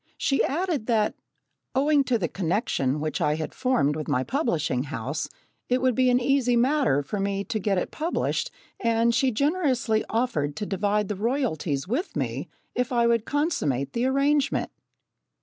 She added that, owing to the connection which I had formed with my publishing house, it would be an easy matter for me to get it published, and she generously offered to divide the royalties with me if I would consummate the arrangement!